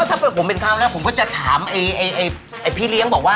ถ้าเป็นผมเป็นค้าก็ผมจะถามไอ้พี่เลี้ยงบอกว่า